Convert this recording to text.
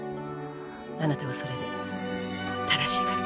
あなたはそれで正しいから。